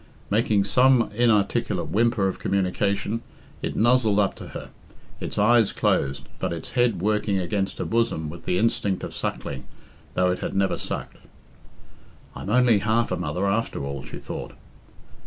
Making some inarticulate whimper of communication, it nuzzled up to her, its eyes closed, but its head working against her bosom with the instinct of suckling, though it had never sucked. "I'm only half a mother, after all," she thought.